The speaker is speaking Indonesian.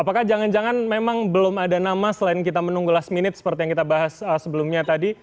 apakah jangan jangan memang belum ada nama selain kita menunggu last minute seperti yang kita bahas sebelumnya tadi